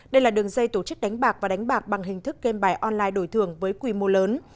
đây là đường dây tổ chức đánh bạc và đánh bạc bằng hình thức game bài online đổi thường với quy mô lớn